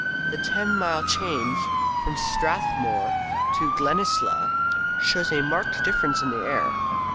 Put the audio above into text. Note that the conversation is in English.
The ten miles change from Strathmore to Glenisla shows a marked difference in the air.